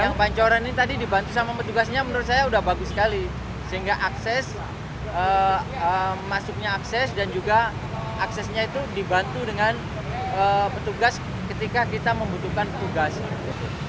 yang pancoran ini tadi dibantu sama petugasnya menurut saya sudah bagus sekali sehingga akses masuknya akses dan juga aksesnya itu dibantu dengan petugas ketika kita membutuhkan petugas